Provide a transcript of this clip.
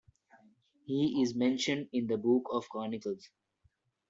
He is mentioned in the Book of Chronicles.